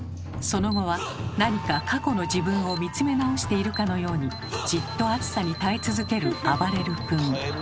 その後は何か過去の自分を見つめ直しているかのようにじっと熱さに耐え続けるあばれる君。